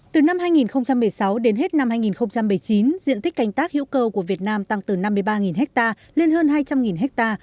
từ năm hai nghìn một mươi sáu đến hết năm hai nghìn một mươi chín diện tích canh tác hữu cơ của việt nam tăng từ năm mươi ba ha lên hơn hai trăm linh ha